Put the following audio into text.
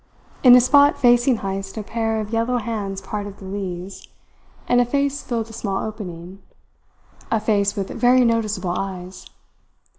in a spot facing Heyst a pair of yellow hands parted the leaves, and a face filled the small opening a face with very noticeable eyes.